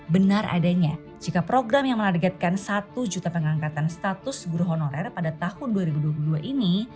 benar adanya jika program yang menargetkan satu juta pengangkatan status guru honorer pada tahun dua ribu dua puluh dua ini